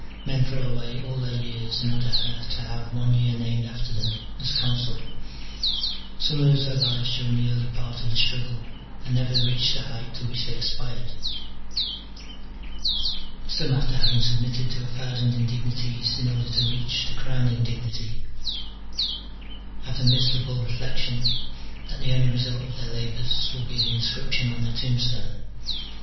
Men throw away all their years in order to have one year named after them as con sul : some lose their lives during the early part of the struggle, and never reach the height to which they aspired :^ For vis tu see Juv. v. , vis tu consuetis, &c. Mayor's note. 318 MINOR DIALOGUES. [bK. X. some after having snbmitted to a thousand indignities in order to reach the crowning dignity, have the miserable reflexion that the only result of their labours will be the inscription on their tombstone.